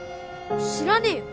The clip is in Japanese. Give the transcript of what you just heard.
知らねえよ。